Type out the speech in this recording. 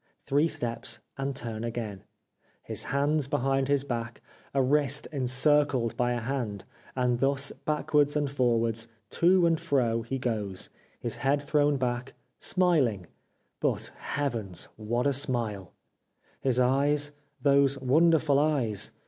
Three steps and turn again. His hands behind his back, a wrist encircled by a hand, and thus backwards and forwards, to and fro, he goes, his head thrown back, smiling — but, Heavens, what a smile ! 398 The Life of Oscar Wilde His eyes — those wonderful eyes